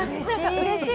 うれしい。